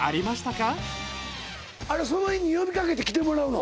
あれその日に呼びかけて来てもらうの？